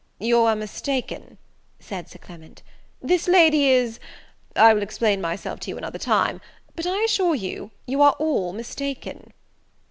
"You are mistaken," said Sir Clement, "this lady is I will explain myself to you another time; but, I assure you, you are all mistaken."